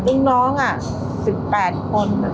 ลูกน้อง๑๘คน